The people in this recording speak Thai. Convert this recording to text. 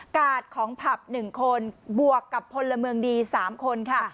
กาดของผับหนึ่งคนบวกกับพลเมืองดีสามคนค่ะ